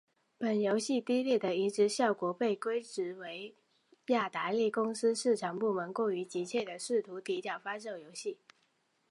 本游戏低劣的移植效果被归咎于雅达利公司市场部门过于急切地试图提早发售游戏。